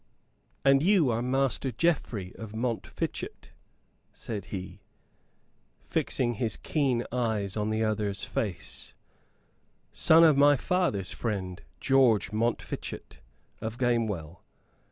"And you are Master Geoffrey of Montfichet," said he, fixing his keen eyes on the other's face, "son of my father's friend, George Montfichet of Gamewell?